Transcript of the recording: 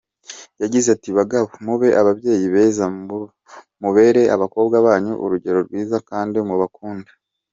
Yagize ati “Bagabo, mube ababyeyi beza, mubere abakobwa banyu urugero rwiza kandi mubakunde.